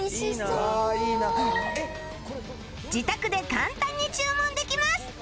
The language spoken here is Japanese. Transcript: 自宅で簡単に注文できます